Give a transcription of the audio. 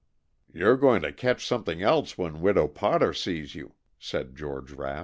"You're going to catch something else when Widow Potter sees you," said George Rapp.